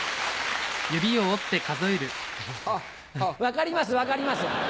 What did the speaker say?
分かります分かります。